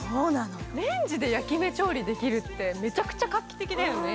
レンジで焼き目調理できるってめちゃめちゃ画期的だよね。